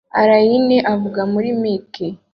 alain avuga muri mic